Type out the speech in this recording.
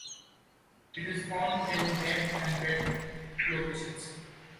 It is found in damp and wet locations.